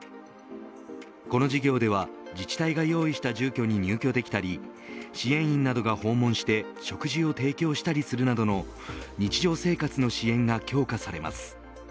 この事業では自治体が用意した住居に入居できたり支援員などが訪問して食事を提供したりするなどの日常生活の支援が強化されます。